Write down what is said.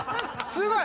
すごい。